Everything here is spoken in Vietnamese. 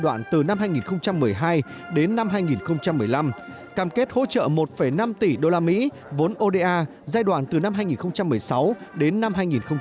giai đoạn từ năm hai nghìn một mươi hai đến năm hai nghìn một mươi năm cam kết hỗ trợ một năm tỷ usd vốn oda giai đoạn từ năm hai nghìn một mươi sáu đến năm hai nghìn hai mươi